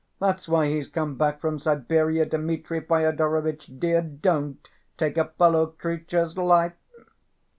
That's why he's come back from Siberia. Dmitri Fyodorovitch, dear, don't take a fellow creature's life!"